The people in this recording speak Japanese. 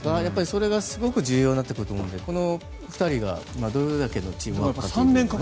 それがすごく重要になってくると思うのでこの２人がどれだけのチームワークがあるか。